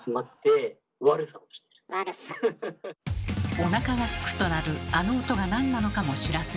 おなかがすくと鳴るあの音がなんなのかも知らずに。